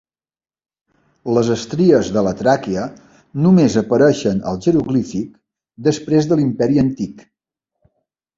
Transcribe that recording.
Les estries de la tràquea només apareixen al jeroglífic, després de l'Imperi Antic.